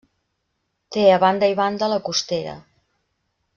Té a banda i banda la Costera.